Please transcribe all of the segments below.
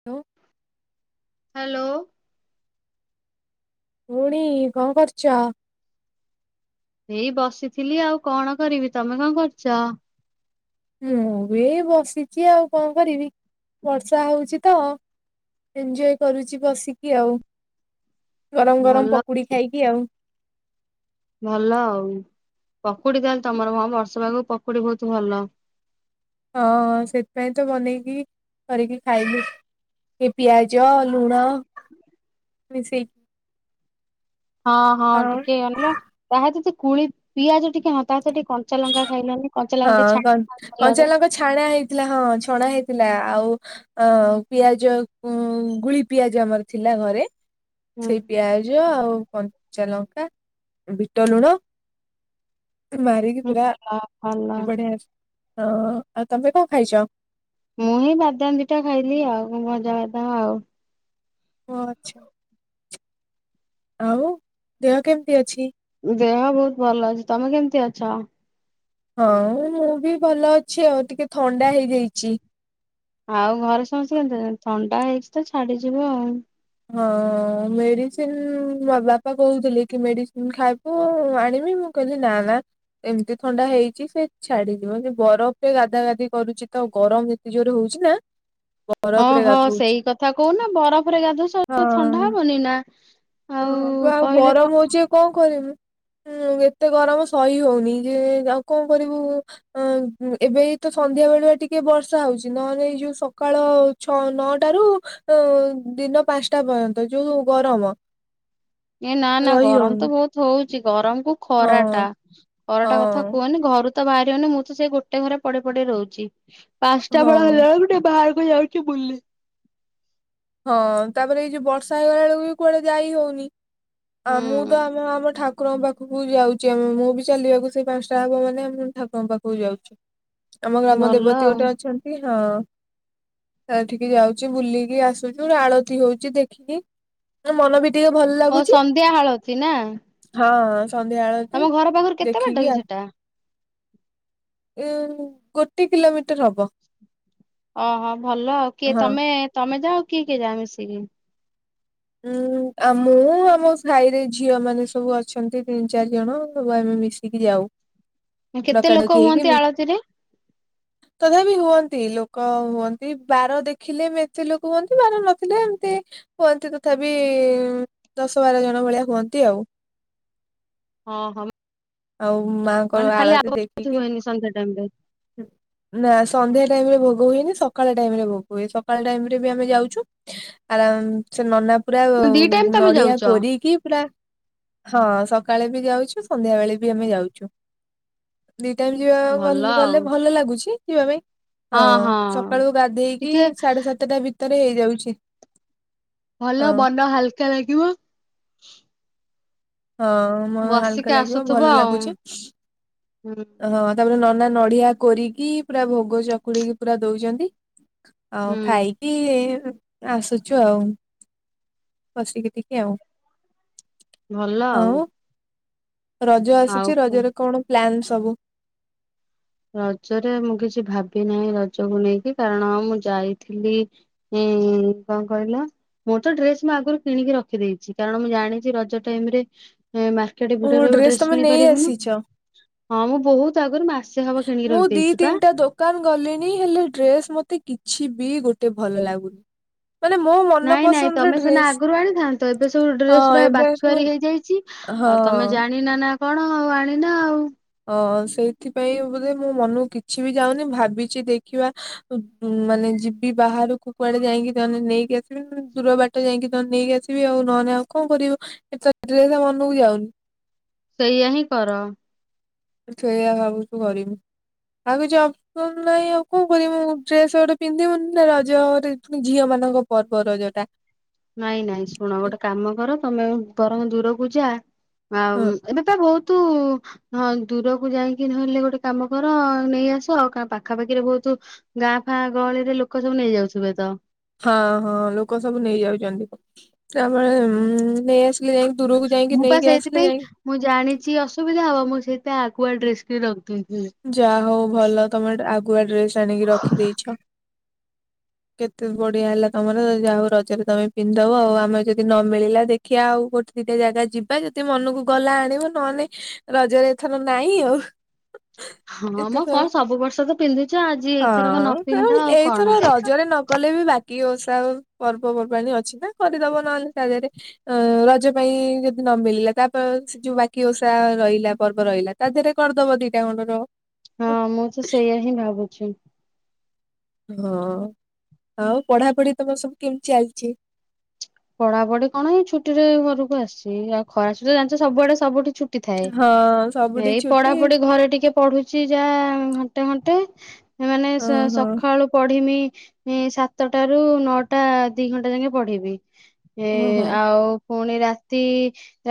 ଲୋ hello ଖୁଡ଼ି କଣ କରୁଛ? ଏଇ ବସିଥିଲି ଆଉ କଣ କରିବି। ତମେ କଣ କରୁଛ? ମୁଁ ବି ଏ ବସିଛି ଆଉ କଣ କରିବି ବର୍ଷା ହଉଛି ତ ଏଞଜୟ କରୁଛି ବସିକି ଆଉ ଗରମ ଗରମ ଭଲ ପକୁଡି ଖାଇକି ଆଉ। ଭଲ ଆଉ ପକୁଡି ତାହେଲେ ତମର ଭ-ବର୍ଷା ପାଗକୁ ପକୁଡି ବହୁତ ଭଲ। ହଁ ସେଥିପାଇଁ ତ ବନେଇକି କରିକି ଖାଇଲୁ। ଏ ପିଆଜ ଲୁଣ ମିଶେଇ ହଁ ହଁ ଟିକେ ଅନେଇଲ ତାହା ଚ ଚ କୁଳି ପିଆଜ ଟିକେ ହଁ ତା ସହିତ ଟିକେ କଞ୍ଚା ଲଙ୍କା ଖାଇଲନି। କଞ୍ଚା ହଁ ଲଙ୍କା ଟିକେ କ ଛାଣି ଭଲରେ କଞ୍ଚାଲଙ୍କା ଛାଣା ହେଇଥିଲା ହଁ ଛଣା ହେଇଥିଲା ଆଉ ଆଉ ପିଆଜ ଗୁଳି ପିଆଜ ଆମର ଥିଲା ଘରେ ହୁଁ ସେଇ ପିଆଜ ଆଉ କଞ୍ଚାଲଙ୍କା ବିଟ ଲୁଣ। ମାରିକି ହୁଁ, ପୁରା ଭଲ ଭଲ। ବଢିଆ ହେଛି ଆଉ-ଆଉ ତମେ କଣ ଖାଇଛ? ମୁଁ ହିଁ ବାଦାମ ଦିଇଟା ଖାଇଲି ଆଉ ଭଜା ବାଦାମ ଆଉ। ଓ ଆଚ୍ଛା। ଆଉ ଦେହ କେମିତି ଅଛି? ଦେହ ବହୁତ ଭଲ ଅଛି। ତମେ କେମିତି ଅଛ? ହଁ ମୁଁ ବି ଭଲ ଅଛି ଆଉ ଟିକେ ଥଣ୍ଡା ହେଇଯାଇଛି। ଆଉ ଘରେ ସମସ୍ତେ କେମିତି ଅଛନ୍ତି? ଥଣ୍ଡା ହେଇଛି ତ ଛାଡିଯିବ ଆଉ। ହଁ ମେଡିସିନ ବା-ବାପା କହୁଥିଲେ କି ମେଡିସିନ ଖା ବୁ ଆଣିବି ମୁଁ କହିଲି ନା ନା। ଏମିତି ଥଣ୍ଡା ହେଇଛି ସେ ଛାଡିଯିବ ଯେ ବରଫରେ ଗାଧା ଗାଧି କରୁଛି ତ ଗରମ ଏତେ ଜୋରେ ହଉଛି ନା ବ ହଁ ହଁ ସେଇ କଥା କହୁନା ବରଫରେ ଗାଧଉଚ ହଁ। ଥଣ୍ଡା ହବନି ନା। ଆଉ [inaudible] ବା ଆଉ କହିଲେ କଣ ଗରମ ହଉଛି ଆଉ କଣ କରିବି। ହୁଁ ଏତେ ଗରମ ସହି ହଉନି ଯେ-ଯା-ଆଉ କଣ କରିବୁ ଅ ଏବେ ଏଇ ତ ସନ୍ଧ୍ୟା ବେଳୁଆ ଟିକେ ବର୍ଷା ହଉଛି ନହେଲେ ଏଇ ଯୋଉ ସକାଳ ଛଅ ନଅଟା ରୁ ଦିନ ପାଞ୍ଚଟା ପର୍ଯ୍ୟନ୍ତ ଯୋଉ ଗରମ ଏ ନା ନା ରହି ଗରମ ତ ହଉନି। ବହୁତ ହଉଛି ଗରମକୁ ହଁ ଖରାଟା ଖରାଟା କଥା ହଁ କୁହନି ଘରୁ ତ ବାହାରିବନି ମୁଁ ତ ସେଇ ଗୋଟେ ଘରେ ପଡ଼ି ପଡ଼ି ରହୁଛି ପାଞ୍ଚଟା ବେଳ ହଁ। ହେଲା ଗୋଟେ ବାହା କୁ ଯାଉଚି ବୁଲି। ହଁ ତାପରେ ଏଇ ଯୋଉ ବର୍ଷା ହେଇଗଲା ବେଳକୁ ବି କୁଆଡେ ଯାଇହଉନି ହୁଁ ଆଉ ମୁଁ ତ ଆମ ଆମ ଠା କୁରଙ୍କ ପାଖକୁ ଯାଉଛି ଆମେ ମୁଁ ବି ଚାଲିବାକୁ ସେଇ ପାଞ୍ଚଟା ହବ ମାନେ ଆମ ଠାକୁରଙ୍କ ପାଖକୁ ଯାଉଛି। ଆମ ଗ୍ରାମ ଭଲ ଦେବତୀ ଆଉ ଗୋଟେ ଅଛନ୍ତି ହଁ ସେଠିକି ଯାଉଛି ବୁଲିକି ଆସ୍ ଗୋଟ ଆଳତି ହଉଛି ଦେଖିକି ମ ମନ ବି ଟିକେ ଭଲ ହଉ ଲାଗୁଛି। ସନ୍ଧ୍ୟା ହାଳତି ନା ହଁ ତମ ସନ୍ଧ୍ୟାବେଳଛି ଘର ପାଖରୁ କେତେ ବାଟ ଦେଖିକି କି ଆ। ସେଟା? ଉ ଗୋଟେ କିଲୋମିଟର ହବ। ଓହୋ ଭଲ ଆଉ କିଏ ହଁ। ତମେ ତମେ ଯାଅ କିଏ କିଏ ଯାଅ ମିଶିକି? ଉୁଁ ଆ ମୁଁ ଆମ ସାାଇ ରେ ଝିଅ ମାନେ ସବୁ ଅ ଛନ୍ତି ତିନି ଚାରି ଜଣ ସବୁ ଆମେ ମିଶିକି ଯାଉ। କେତେ ଡକା ଡକି ଲୋକ ହେଇକି ହୁଅନ୍ତି ମି ଆଳତିରେ? ତଥାପି ହୁଅନ୍ତି ଲୋକ ହୁଅନ୍ତି ବାର ଦେଖିଲେ ଏତେ ଲୋକ ହୁଅନ୍ତି ବାର ନଥିଲେ ଏମିତି। ହୁଅନ୍ତି ତଥାପି ଦଶ ବାର ଜଣ ଭଳିଆ ହୁଅନ୍ତି ଆଉ। ହଁ ହଁ। ଆଉ ମାନେ ମାଆଙ୍କର ଖାଲି ଆଉ ଆଳତି କିଛି ଦେଖିକି ହୁଏନି ସନ୍ଧ୍ୟା ଟାଇମ ନା ସନ୍ଧ୍ୟା ଟାଇମ ରେ ଭୋଗ ହୁଏନି ସକାଳ ଟାଇମ ରେ ଭୋଗ ହୁଏ ସକାଳ ଟାଇମ ରେ ବି ଆମେ ଯାଉଛୁ। ଆରାମ ସେ ନନା ପୁରା ରେ ଦି ଟାଇମ ତମେ ନଡିଆ ଯାଉଛ କରିକି ପୁରା ହଁ ସକାଳେ ବି ଯାଉଛୁ ସନ୍ଧ୍ୟା ବେଳେ ବି ଆମେ ଯାଉଛୁ। ଦି ଟାଇମ ଯିବା ଭଲ ଆଉ ଗଲେ ଭଲ ଲାଗୁଛି ଯିବା ପାଇଁ। ହଁ ସକାଳୁ ଗାଧେଇକି ଟିକେ ସାଢେ ସତେଟା ଭିତରେ ହେଇଯାଉଚି। ଭଲ ମନ ହାଲ୍କା ଲାଗିବ। ହଁ ମୋ ହାଲ୍କା ବସିକି ଲାଗିବ ଆସୁଥିବ ଭଲ ଆଉ ଲାଗୁଚି। ହୁଁ। ହଁ ତାପରେ ନନା ନଡିଆ କୋରିକି ପୁରା ଭୋଗ ଚକୁଳିକି ପୁରା ଦଉଚନ୍ତି। ଆଉ ହୁଁ ଖାଇକି ଆସୁଚୁ ଆଉ, ବସିକି ଟିକେ ଆଉ। ଭଲ ଆଉ। ରଜ ଆସୁଚି, ରଜରେ କଣ ପ୍ଲାନ୍ ସବୁ? ରଜରେ ମୁଁ କିଛି ଭାବି ନାହିଁ ରଜକୁ ନେଇକି କାରଣ ମୁଁ ଯାଇଥିଲି ଏଁ କଣ କହିଲ? ମୁଁ ତ ଡ୍ରେସ୍ ମୁଁ ଆଗରୁ କିଣିକି ରଖିଦେଇଛି, କାରଣ ମୁଁ ଜାଣିଚି ରଜ ଟାଇମ୍ ରେ ଏଁ [unintelligible] ଓ ଭିଡରେ ଡ୍ରେସ ଡ୍ରେସ୍ ତମେ କିଣି ନେଇ ପାରିବୁନୁ, ଆସିଛ? ହଁ ମୁଁ ବହୁତ୍ ଆଗରୁ ମା ମୁଁ ଦି ତିନିଟା ଦୋ କାନ୍ ଗଲିଣି ହେଲେ ଡ୍ରେସ୍ ମତେ କିଛି ବି ଗୋଟେ ଭଲ ଲାଗୁନି। ମାନେ ମୋ ମନ ନାଇଁ-ନାଇଁ ପସନ୍ଦର ତମେ ସିନା ଡ୍ରେସ ଆଗରୁ ଆଣିଥାନ୍ତ ଏବେ ସବୁ ହଁ ଡ୍ରେସୁରା ଏବେ ସବୁ ବାଛୁଆରୀ ହେଇଯାଇଚି। ହଁ। ଆଉ ତମେ ଜାଣିନ ନା କଣ ଆଉ ଆଣିନ ଆଉ। ଅ ସେଇଥିପାଇଁ ବୋଧେ ମୋ ମନକୁ କିଛି ବି ଯାଉନି ଭାବିଛି ଦେଖିବା ଉ ମାନେ ଯିବି ବାହାରୁକୁ କୁଆଡେ ଯାଇଁକି ତାହେଲେ ନେଇକି ଆସିବି ଦୂର ବା ଟ ଯାଇଙ୍କି ତତେ ନେଇକି ଆସିବି ଆଉ ନହେନେ ଆଉ କଣ କରିବି, ଡ୍ରେସ୍ ତ ମନୁକୁ ଯାଉନି। ସେଇଆ ହିଁ କର। ସେଇଆ ଭାବୁଚି କରିବି, ଆଉ କିଛି ଅ [unintelligible] ନାହିଁ ଆଉ କଣ କରିବି, ମୁଁ ଡ୍ରେସ୍ ଗୋଟେ ପିନ୍ଧିବୁନି ନା ରଜରେ ପୁଣି ଝିଅ ମାନଙ୍କ ପର୍ବ ରଜ ଟା। ନାଇଁ-ନାଇଁ ଶୁଣ ଗୋଟେ କାମ କର ତମେ ବରଂ ଦୂରକୁ ଯା, ହଁ ଆଉ ଏବେ ତ ବହୁତୁ ହଁ ଦୂରକୁ ଯାଇଁକି ନହେଲେ ଗୋଟେ କାମ କର ନେଇଆସ ଆଉ [unintelligible] ପାଖାପାଖିରେ ବହୁତୁ ଗାଁ ଫାଁ ଗହଳିରେ ଲୋକ ସବୁ ନେଇଯାଉଥିବେ ତ? ହଁ-ହଁ ଲୋକସବୁ ନେଇଯାଉଚନ୍ତି, ତାପରେ ନେଇ ଆସିଲେ ଦୂରକୁ ଯାଇଁକି ମୁଁ ପା ନେଇକି ଆସିଲେ ସେଇଥିପାଇଁ ଯାଇ ମୁଁ ଜାଣିଚି ଅସୁବିଧା ହବ, ମୁଁ ସେଇତ ଆଗ ଯାହଉ ଭଲ ତମେ ଆଗୁଆ ଡ୍ରେସ୍ ଆଣିକି ରଖିଦେଇଛ। କେତେ ବଢିଆ ହେଲା ତମର ଯାହଉ ରଜରେ ତମେ ପିନ୍ଧଦବ ଆଉ [unintelligible] ଯଦି ନ ମିଳିଲା ଦେ ଦେଖିଆ ଆଉ ଗୋଟେ ଦିଟା ଜାଗା ଯିବା ଯଦି ମନକୁ ଗଲା ଆଣିବ ନହେଲେ ରଜରେ ଥ ନାଇଁ ଆଉ। ହଁ ମ ଏତେଥର କଣ ସବୁ ବର୍ଷ ତ ପିନ୍ଧୁଛ ଆଜି ଏଥରକ ନ ହଁ ପିନ୍ଧ ଆଉ ଏଇଥର କଣ ରଜରେ ନଗଲେ ବି ବା କି ଓଷା ଆଉ ପର୍ବପର୍ବାଣି ଅଛି ନା କରିଦବ ନହେଲେ ତା ଦେରେ। ଅଁ ରଜ ପାଇଁ ଯଦି ନ ମିଳିଲା ତାପ ସେ ଯୋଉ ବାକି ଓଷା ରହିଲା ପର୍ ର୍ବ ରହିଲା ତା ଦେରେ କର୍ଦବ ଦିଟା [unintelligible] ହଁ ମୁଁ ତ ସେଇୟା ହିଁ ଭାବୁଛି। ହଁ ଆଉ ପଢାପଢି ତମର ସବୁ କେମିତି ଚାଲ୍ଚି? ପଢାପଢି କଣ ଏଇ ଛୁଟି ରେ ଘରକୁ ଆସ୍ଚି, ଆଉ ଖରା ଛୁଟି ରେ ଜାଣିଚ ସୁଆଡେ ସବୁଠି ଛୁ ଟି ଥାଏ, ହଁ ସବୁଠି ଏଇ ଛୁଟି ପଢାପଢି ଘରେ ଟିକେ ପଢୁଚି ଯାହା ଘଣ୍ଟେ-ଘଣ୍ଟେ ମାନେ ହଁ ହଁ ସକାଳୁ ପଢିମି [unintelligible] ସାତଟା ରୁ ନଅଟା ଦି ଘଣ୍ଟା ଜାଙ୍କେ ପଢିବି। ଏ ଓହୋ ଆଉ ପୁଣି ରାତି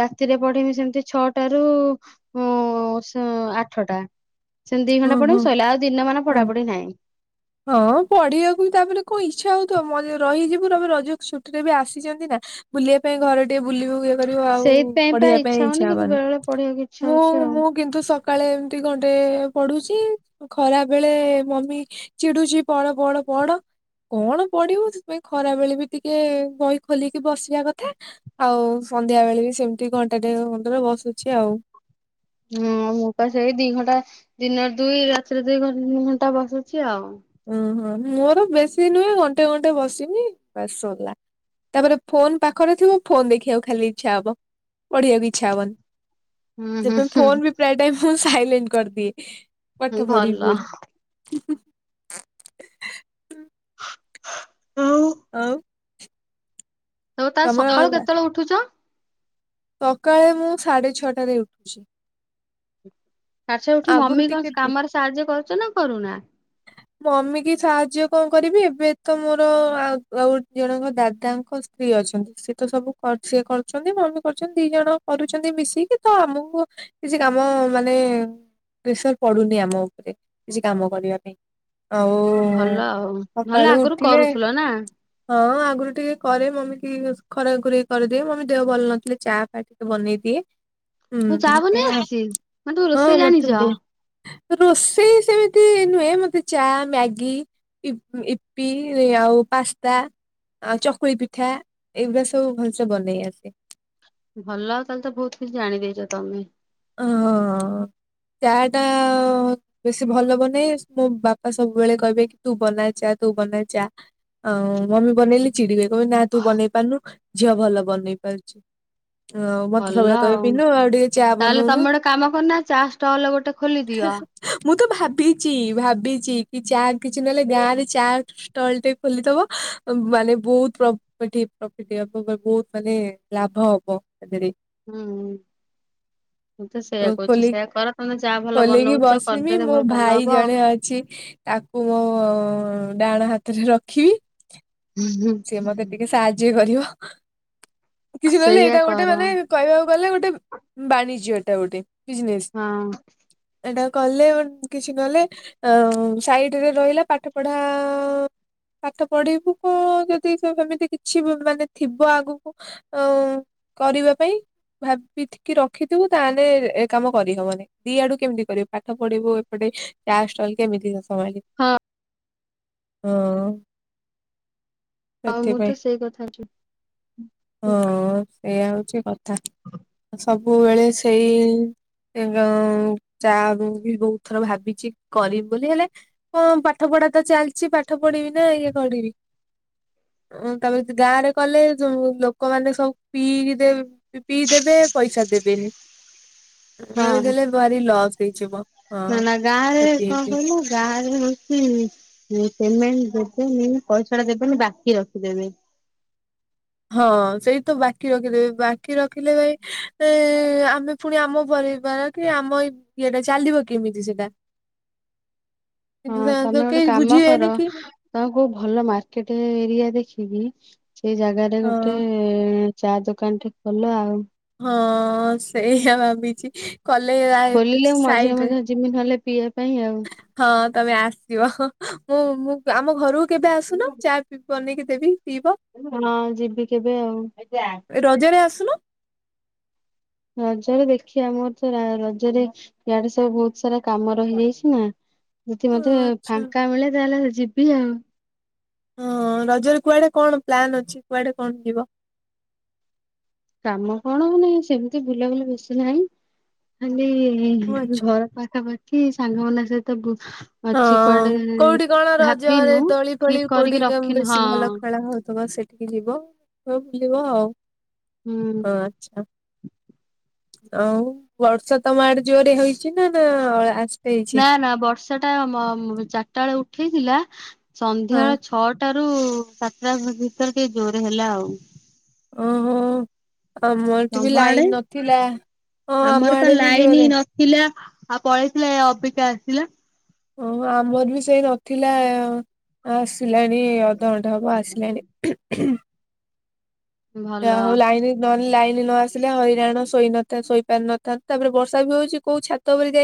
ରାତିରେ ପଢିବି ସେମ୍ତି ଛଅଟାରୁ [unintelligible] ସେ ଆଠଟା ସେମ୍ତି ଦି ହଁ ଘଣ୍ଟା ହଁ ପଢିବି ସଇଲା ଆଉ ଦିନମାନ ହଁ। ପଢାପଢି ନାହିଁ। ହଁ ପଢିବାକୁ ତାପରେ କଣ ଇଚ୍ଛା ହଉଥିବ ମ ରହିଯିବୁମ ରଜ ଛୁଟିରେ ବି ଆସିଛନ୍ତି ନା ବୁଲିବା ପାଇଁ ଘ ଟିକେ ବୁଲିବାକୁ କରିବ ଆଉ ସେଇଥିପାଇଁ ପା ପଢିବା ପାଇଁ ହଉନି ଇଚ୍ଛା କିନ୍ତୁ ହବନି ବେଳେ ବେଳେ ପଢିବାକୁ ଇଚ୍ଛା ମୁଁ ହଉଛି ଆଉ ମୁଁ କିନ୍ତୁ ସକାଳେ ଏମତି ଗଣ୍ଡେ ପଢୁଛି ଖରା ବେଳେ ମମି ଚିଡୁଛିି ପଡ଼ ପଡ଼ ପଡ଼ କଣ ପଡିବୁ ସେଥିପାଇଁ ଖରା ବେଳେ ବି ଟିକେ ବହି ଖୋଲିକି ବସିବା କଥା ଆଉ ସନ୍ଧ୍ୟା ବେଳେ ବି ସେମିତି ଘଣ୍ଟାଟେ ଘଣ୍ଟାରେ ବସୁଛି ଆଉ ହଁ ମୁଁ ତ ସେଇ ଦି ଘଣ୍ଟା ଦିନରେ ଦୁଇ ରାତିରେ ଦୁଇ ଘ ତିନି ଘଣ୍ଟା ବସୁଛି ଆଉ ଓହୋ ମୋର ବେଶୀ ନୁହେଁ ଘଣ୍ଟେ ଘଣ୍ଟେ ବସିନି ସରିଲା ତାପରେ ଫୋନ ପାଖରେ ଥିବ ଫୋନ ଦେଖିବାକୁ ଖାଲି ଇଚ୍ଛା ହବ ପଢିବାକୁ ଇଚ୍ଛା ହବନି ହୁଁ ସେଥିପାଇଁ ହୁଁ ଫୋନ ବି ପ୍ରାୟ ଟାଇ ମୁ ସାଇଲେଣ୍ଟ କରିଦିଏ ହୁଁ ପଠ ଫଡ଼ି ବଲି ଭଲ ହୁଁ ହୁଁ ହ ହଉଁ ଆଉ ଆଉ ତ ସକାଳୁ ତମର କେତେବେଳେ ଉଠୁଛ ସକାଳେ ମୁଁ ସାଢେ ଛଟାରେ ଉଠୁଛି ତା ଛ ଉଠି ଆଗରୁ ମମି କଣ ଟିକେ ଡେ- କାମରେ ସାହାଯ୍ୟ କରୁଛ ନା କରୁନା ମମି କି ସାହାଯ୍ୟ କଣ କରିବି ଏବେ ତ ମୋର ଆ ଆଉ ଜଣଙ୍କ ଦାଦାଙ୍କ ସ୍ତ୍ରୀ ଅଛନ୍ତି ସିଏ ତ ସବୁ ସିଏ କରୁଛନ୍ତି ମମି କରୁଛନ୍ତି ଦି ଜଣ କରୁଛନ୍ତି ମିଶିକି ତ ଆମକୁ କିଛି କାମ ମାନେ ପ୍ରେସର୍ ପଡୁନି ଆମ ଉପରେ କିଛି କାମ କରିବା ପାଇଁ ଆଉ ଭଲ ଆଉ ନହେଲେ ସକାଳୁ ଆଗରୁ ଉଠିଲେ କରୁଥିଲ ନା ହଁ ଆଗରୁ ଟିକେ କରେ ମମି ଟ ଖରା ଖରେଇ କରିଦିଏ ମମି ଦେହ ଭଲ ନଥିଲେ ଚା ଟିକେ ବନେଇଦିଏ ତମକୁ ଚା ବନେଇ ହୁଁ ଆସିଛି? ମାନେ ତମେ ହଁ ରୋଷେଇ ଜାଣିଛ? ମତେ ବ ରୋଷେଇ ସେମିତି ନୁ ହେ ମତେ ଚା ମ୍ୟାଗି ଇପି ଆଉ ପାସ୍ତା ଆଉ ଚକୁଳି ପିଠା ଏଇଗୁଡା ସବୁ ଭଲସେ ବନେଇ ଆସେ ଭଲ ଆଉ ତାହେଲେ ତ ବହୁତ କିଛି ଜାଣିଦେଇଛ ତମେ ହଁ ଚା ଟା ବେଶୀ ଭଲ ବନେଇ ମୋ ବାପା ସବୁବେଳେ କହିବେ କି ତୁ ବନା ଚା ତୁ ବନାେଇ ଚା ଆଉ ମମି ବନେଇଲେଲି ଚିଡିବେ କହିବେ ନା ତୁ ବନେଇ ପାରୁନୁ ଝିଅ ଭଲ ବନେଇ ପାରୁଚି ହଉ ମତେ ସବୁବେଳେ କହେ ବିନୁ ଆଉ ଟିକେ ଚା ତାହେଲେ ବନଉନୁ ତମେ ଗୋଟେ କାମ କରନ ଚା ଷ୍ଟଲ ଗୋଟେ ଖୋଲି ଦିଅ ମୁଁ ତ ଭାବିଛି ଭାବିଛି କି ଚା କିଛି ନହେଲେ ଗାଁ ରେ ଚା ଷ୍ଟଲ ଟେ ଖୋଲିଦବ ମାନେ ବହୁତ ପ୍ରଫିଟ୍ ବହୁତ ମାନେ ଲାଭ ହବ ସେଥିରେ ହୁଁ ମୁଁ ତ ସେଇୟା କହୁଛି ଖୋଲି ସେଇୟଆ କର ତମେ ଯାହା ଭଲ ଖୋଲିକି ବନଉଛ କରିଦେଲେ ଭଲ ହବ ଆଉ ଛି ତାକୁ ମୋ ଡାହାଣ ହାତରେ ରଖିବି ସି ମତେ ଟିକେ ସାହାଯ୍ୟ କରିବ କିଛି ନହେଲେ ସେଇଆ ଏଇଟା ଗୋଟେ କର ମାନେ କହିବାକୁ ଗଲେ ଗୋଟେ ବାଣିଜ୍ୟ ଏଟା ଗୋଟେ ବିଜ୍ନେସ୍। ହଁ ଏଟା କଲେ କିଛି କଲେ- ଆ ସାଇଟ୍ ରେ ରହିଲା ପାଠ ପଢା ପାଠ ପଢିବୁ କଣ- ଯଦି ସେମିତି କିଛି ମାନେ ଥିବ ଆଗକୁ ଅ ଉଁ କରିବା ପାଇଁ! ଭାବିିକି ରଖିଥିବୁ ତାହେଲେ ଏ କାମ କରିହବନି। ଦିଆଡୁ କେମିତି କରିବୁ ପାଠ ପଢିବୁ ଏପଟେ ଚା ଷ୍ଟଲ କେମିତି? ହଁ ଆଉ ମୁଁ ସେଥିପାଇଁ ତ ସେଇ କଥା ହଁ ଏଇୟା ହଉଛି କଥା। ସବୁବେଳେ ସେଇ ଚା ବହୁତ ଥର ଭାବିଛି କରିବି ବୋଲି ହେଲେ ହଁ ପାଠ ପଢା ତ ଚାଲିଛି, ପାଠ ପଢିବି ନା ଇଏ କଡିବି! ଓଁ ତାପରେ ଗାଁ ରେ କଲେ ଯୋଉ ଲୋକମାନୋ ସବୁ ପିଇକି ଦେ ପିଇ ଦେବେ ପଇସା ଦେବେନି। ଆମ ହଁ। ଦେଲେ ଭାରି ଲସ୍ ହେଇଯିବ। ହଁ ନା ନା ଗାଁ ରେ କ୍ଷତି କଣ ହେଇଯିବ କହିଲ ଗାଁରେ ହୁଁ ପେମେଣ୍ଟ ଦେବେନି ପଇସା ଟା ଦେବେନି ବାକି ରଖିଦେବେ। ହଁ ସେଇଠି ତ ବାକି ରଖିଦେବ ବାକି ରଖିଦେବେ ହେଁ ଆମେ ପୁଣି ଆମ ପରିବାର କି ଆମ ଇଏଟା ଚାଲିବ କେମିତି ସେଟା। ନାତ କେହି ବୁଝିିବେନି କି? ତ କୋଉ ଭଲ ମାର୍କେଟ ଏରିଆ ଦେଖିକି ସେ ଜାଗାରେ ହଁ ଗୋଟେ ସେ ଚା ଦୋକାନ ଟେ ଖୋଲ ଆଉ। ହଁ ସେଇଆ ଭାବିଛି କଲେଜ ସାଇଡରେ। ଜେମି ହଲେ ପିଇବା ପାଇଁ ଆଉ। ହଁ ତମେ ଆସିବ ମୁ ମୁଁ ଆମ ଘରକୁ କେବେ ଆସୁନା ଚା ମୁଁ ବନେଇକି ଦେବି ପିଇବ। ହଁ ଯିବି କେବେ ଆଉ। ରଜ ରେ ଆସୁନ? ରଜରେ ଦେଖିବା ମୋର ତ ରଜରେ ୟାଆଡେ ସବୁ ବହୁତ ସାରା କାମ ରହିଯାଇଛି ନା। ଯଦି ହଁ, ମତେ ଆଚ୍ଛା ଫାଙ୍କା ମିଳେ ତାହେଲେ ଯିବି ଆଉ। ହଁ ରଜରେ କୁଆଡେ କଣ ପ୍ଲାନ୍ ଅଛି କୁଆଡେ କଣ ଯିବ? କାମ କଣଉନି ସେମିତି ବୁଲାବୁଲି ବେଶି ନାହିଁ ଖାଲି ହଁ, ଆଚ୍ଛା ଘର ପାଖାପାଖି ସାଙ୍ଗମାନଙ୍କ ସହିତ ଗୁ ହଁ କୋଉଠି କଣ ରଜରେ ଦଳି ଠିକ ଫଳି କୋଉଠି କରିକି ରଖିନୁ ହଁ ବେଶୀ ଭଲ ଖେଳା ହଉଥିବ ସେଇଠି। ଟିକେ ଯିବ ହ ବୁଲିବ ଆଉ ହୁଁ ହଁ ଆଉ ବର୍ଷ ତମଆଡେ ଜୋରେ ହେଇ ଅଚିନା ନା ଆସତେହେଇଛି। ନା ବର୍ଷା ଟା ମ ଚାରିଟା ବେଳେ ଉଠେଇଥିଲା ସନ୍ଧ୍ୟ ହଁ ବେଳେ ଛଅଟ ରୁ ସାତଟା ଭିତରେ ଟିକେ ଜୋର ହେଲା ଆଉ। ଓହୋ ଆମର ଏଠି ବି ତମ ଆଡେ ଲାଇନ ନଥିଲା, ହ ଆମ ଆଡେ ବି ଜୋରେ। ଥିଲା ଆଉ ପଳେଇଥିଲା ଏ ଅବିକା ଆସିଲା। ଓହୋ ଆମର ବି ସେଇ ନଥିଲା ଆସିଲାଣି ଅଧଘଣ୍ଟା ହବ ଆସିଲାଣି। ଭଲ। ଯାହଉ ଲାଇନ ନହେଲେ ଲାଇନ ନ ଆସିଲେ ହଇରାଣ ସୋଇନଥା ଶୋଇପାରିନଥାନ୍ତ ତାପରେ ବର୍ଷା ବି ହଉଛି କୋଉ ଛାତ ଉପରେ ଯାଇ